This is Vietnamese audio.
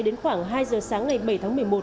đến khoảng hai giờ sáng ngày bảy tháng một mươi một